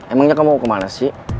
emangnya kamu mau kemana sih